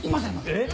えっ？